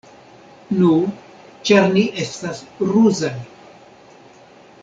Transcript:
Nu, ĉar ni estas ruzaj.